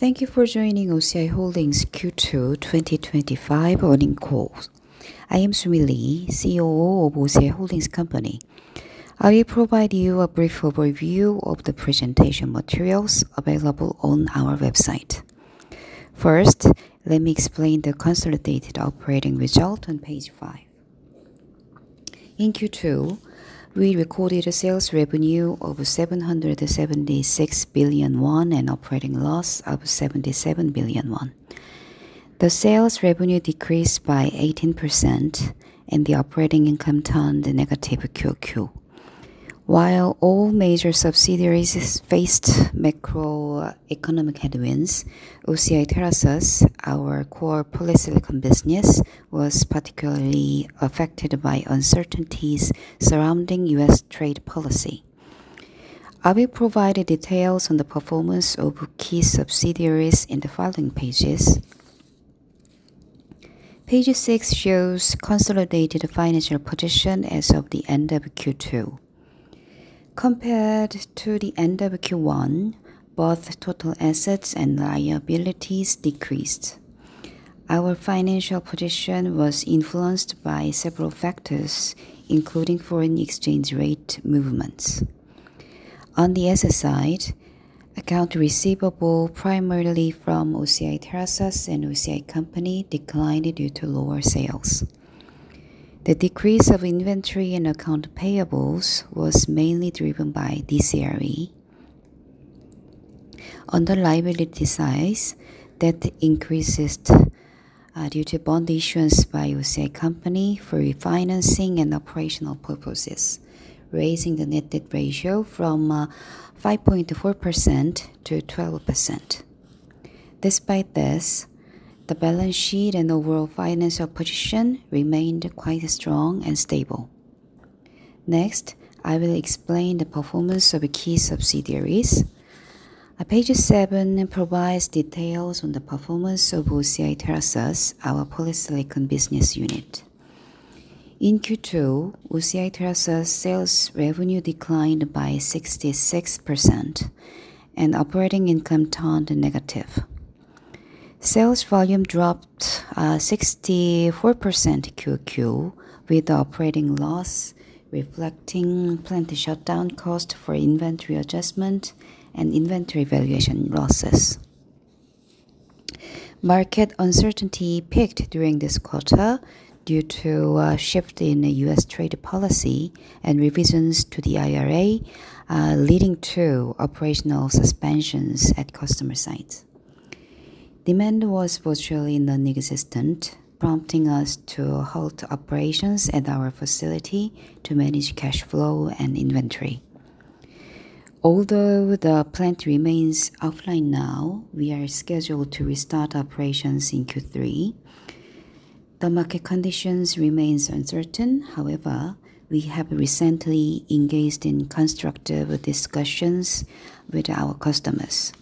Thank you for joining OCI Holdings Q2 2025 on-call. I am Su-Mi Lee, CEO of OCI Holdings Company. I will provide you a brief overview of the presentation materials available on our website. First, let me explain the Consolidated Operating Result on page 5. In Q2, we recorded a sales revenue of 776 billion won and Operating Loss of 77 billion won. The sales revenue decreased by 18%, and Operating Income turned negative Q2. While all major subsidiaries faced Macroeconomic Headwinds, OCI TerraXas, our Core Polysilicon Business, was particularly affected by uncertainties surrounding U.S. Trade Policy. I will provide details on the performance of key subsidiaries in the following pages. Page 6 shows consolidated financial position as of the end of Q2. Compared to the end of Q1, both Total Assets and Liabilities decreased. Our financial position was influenced by several factors, including Foreign Exchange Rate Movements. On the asset side, Accounts Receivable primarily from OCI TerraXas and OCI Company declined due to lower sales. The decrease of Inventory and Account Payables was mainly driven by DCRE. On the liability side, Debt increases due to Bond Issuance by OCI Company for refinancing and operational purposes, raising the Net Debt Ratio from 5.4%-12%. Despite this, the Balance Sheet and overall Financial Position remained quite strong and stable. Next, I will explain the performance of key subsidiaries. Page 7 provides details on the performance of OCI TerraXas, our Polysilicon Business Unit. In Q2, OCI TerraXas' sales revenue declined by 66%, and Operating Income turned negative. Sales Volume dropped 64% Q2, with the Operating Loss reflecting Planned Shutdown Cost for Inventory Adjustment and inventory valuation losses. Market uncertainty peaked during this quarter due to a shift in the U.S. Trade Policy and revisions to the IRA, leading to Operational Suspensions at customer sites. Demand was virtually nonexistent, prompting us to halt operations at our facility to manage Cash Flow and Inventory. Although the Plant remains offline now, we are scheduled to restart operations in Q3. The market conditions remain uncertain; however, we have recently engaged in constructive discussions with our customers.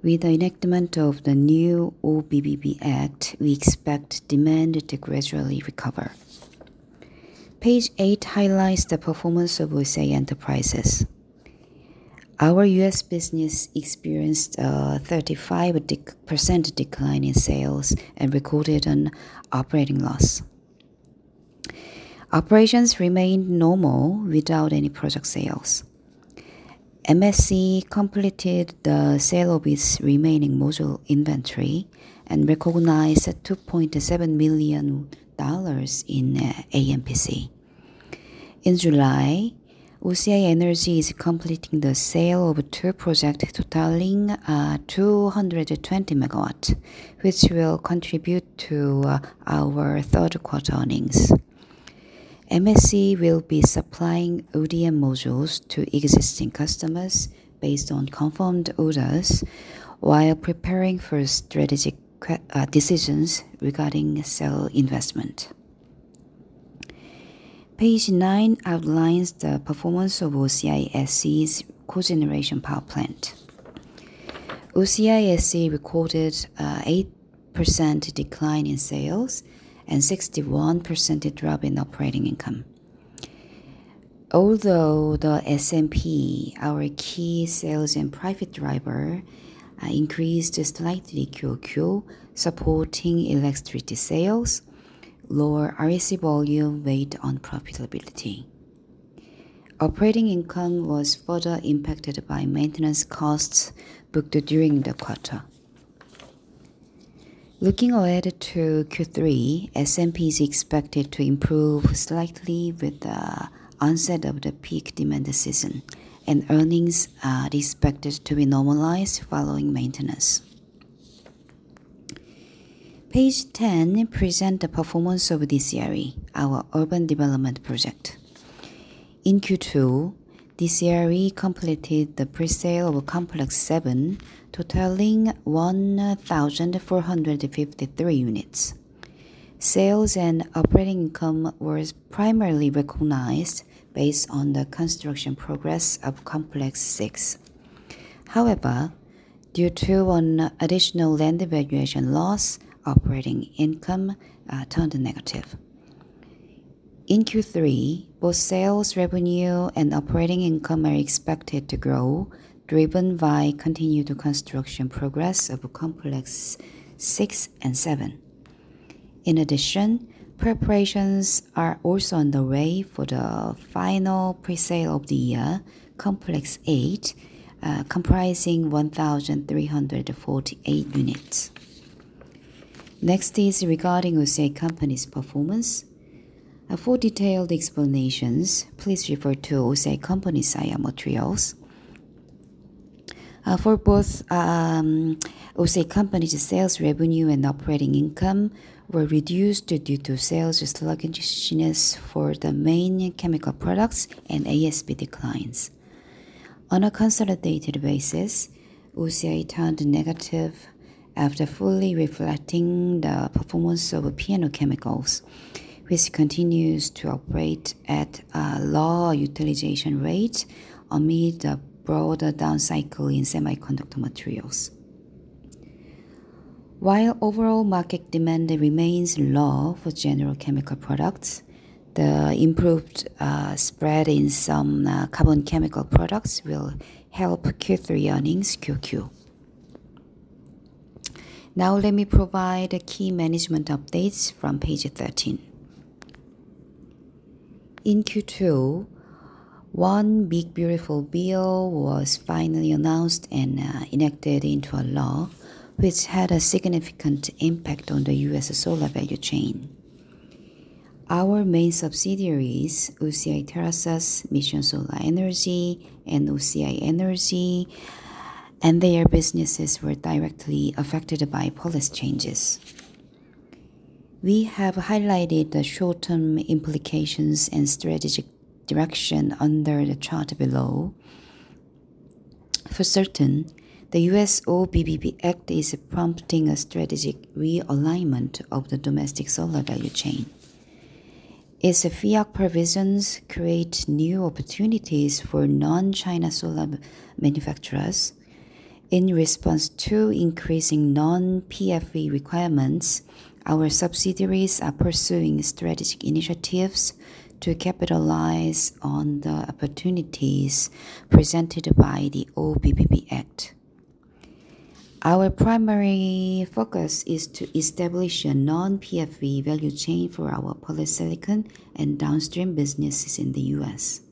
With the enactment of the new IRA, we expect demand to gradually recover. Page 8 highlights the performance of OCI Enterprises. Our U.S. business experienced a 35% decline in sales and recorded an Operating Loss. Operations remained normal without any product sales. Mission Solar Energy completed the sale of its remaining Module Inventory and recognized $2.7 million in AMPC. In July, OCI Energy is completing the sale of two projects totaling 220 MW, which will contribute to our Third-Auarter Earnings. Mission Solar Energy will be supplying ODM Modules to existing customers based on confirmed orders while preparing for strategic decisions regarding Cell Investment. Page 9 outlines the performance of OCI SC's Cogeneration Power Plant. OCI SC recorded an 8% decline in sales and a 61% drop in Operating Income. Although the SMP, our key sales and profit driver, increased slightly in Q2, supporting electricity sales, lower REC volume weighed on profitability. Operating Income was further impacted by maintenance costs booked during the quarter. Looking ahead to Q3, SMP is expected to improve slightly with the onset of the peak demand season, and earnings are expected to be normalized following maintenance. Page 10 presents the performance of DCRE, our urban development project. In Q2, DCRE completed the Pre-Sale of Complex 7, totaling 1,453 units. Sales and Operating Income were primarily recognized based on the Construction Progress of Complex 6. However, due to an additional Land Evaluation Loss, Operating Income turned negative. In Q3, both sales revenue and Operating Income are expected to grow, driven by continued Construction Progress of Complex 6 and 7. In addition, preparations are also underway for the final Pre-Sale of the year, Complex 8, comprising 1,348 units. Next is regarding OCI Holdings Company's performance. For detailed explanations, please refer to OCI Holdings Company's IR materials. For both OCI Holdings Company's sales revenue and Operating Income were reduced due to sales sluggishness for the main chemical products and ASB declines. On a Consolidated Basis, OCI Holdings turned negative after fully reflecting the performance of P&O Chemicals, which continues to operate at a low utilization rate amid the broader Down Cycle in Semiconductor Materials. While overall Market Demand remains low for general Chemical Products, the improved spread in some Carbon Chemical Products will help Q3 Earnings Q2. Now, let me provide Key Management Updates from page 13. In Q2, the Inflation Reduction Act was finally announced and enacted into law, which had a significant impact on the U.S. solar value chain. Our main subsidiaries, OCI TerraXas, Mission Solar Energy, and OCI Energy, and their businesses were directly affected by Policy Changes. We have highlighted the short-term implications and strategic direction under the chart below. For certain, the U.S. Inflation Reduction Act is prompting a Strategic Realignment of the domestic solar value chain. Its FEOC provisions create new opportunities for Non-China Solar Manufacturers. In response to increasing Non-FEOC Requirements, our subsidiaries are pursuing strategic initiatives to capitalize on the opportunities presented by the Inflation Reduction Act. Our primary focus is to establish a Non-FEOC Value Chain for our Polysilicon and downstream businesses in the U.S.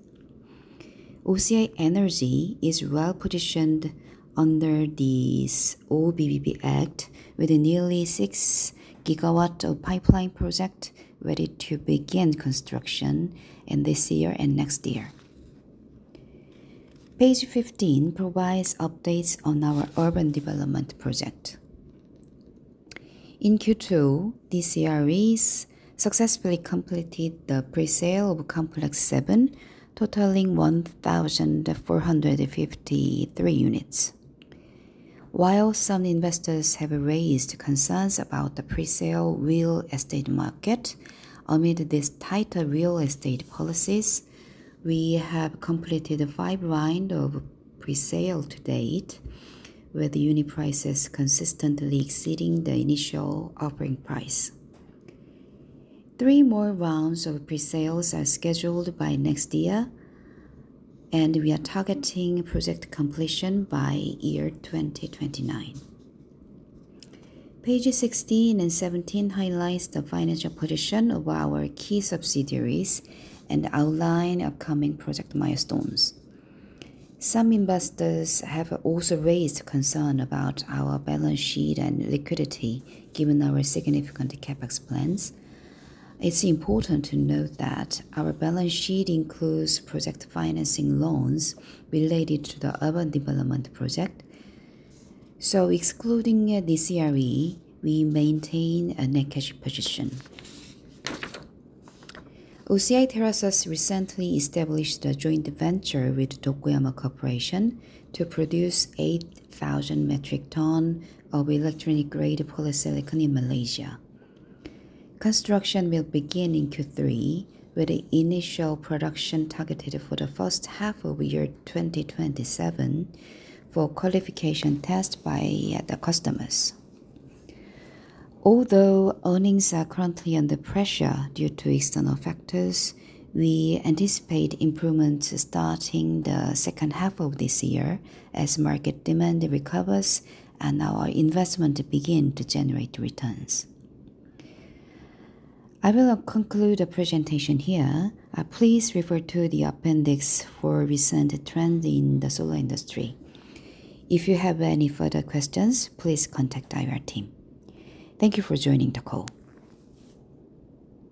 OCI Energy is well-positioned under the Inflation Reduction Act, with nearly 6 GW Pipeline Projects ready to begin construction in this year and next year. Page 15 provides updates on our urban development project. In Q2, DCRE successfully completed the Pre-Sale of Complex 7, totaling 1,453 units. While some investors have raised concerns about the Pre-Sale Real Estate Market, amid these tighter real estate policies, we have completed five rounds of Pre-Sale to date, with Unit Prices consistently exceeding the Initial Offering Price. Three more rounds of Pre-Sales are scheduled by next year, and we are targeting project completion by Year 2029. Pages 16 and 17 highlight the financial position of our key subsidiaries and outline upcoming Project Milestones. Some investors have also raised concern about our Balance Sheet and Liquidity, given our significant CapEx plans. It's important to note that our Balance Sheet includes Project Financing Loans related to the urban development project. Excluding DCRE, we maintain a Net Cash Position. OCI TerraXas recently established a joint venture with Tokuyama Corporation to produce 8,000 metric tons of Electronic-grade polysilicon in Malaysia. Construction will begin in Q3, with the initial production targeted for the first half of year 2027 for qualification tests by the customers. Although earnings are currently under pressure due to external factors, we anticipate improvements starting the second half of this year as market demand recovers and our investment begins to generate returns. I will conclude the presentation here. Please refer to the appendix for recent trends in the solar industry. If you have any further questions, please contact the IR team. Thank you for joining the call.